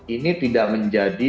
ini tidak menjadi